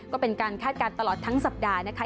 ก็เป็นการคาดการณ์ตลอดทั้งสัปดาห์นะคะ